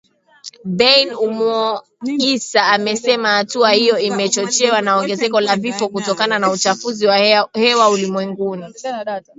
Bain Omugisa amesema hatua hiyo imechochewa na ongezeko la vifo kutokana na uchafuzi wa hewa ulimwenguni.